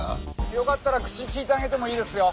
よかったら口利いてあげてもいいですよ。